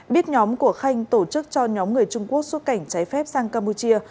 biết nhóm của khanh tổ chức cho nhóm người trung quốc xuất cảnh trái phép sang campuchia